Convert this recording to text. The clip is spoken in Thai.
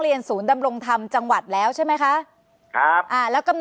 ศูนย์ดำรงธรรมจังหวัดแล้วใช่ไหมคะครับอ่าแล้วกำน